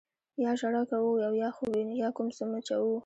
یا ژړا کوو او یا خوب وینو یا کوم څه مچوو.